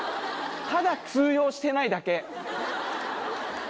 ただ通用してないだけ。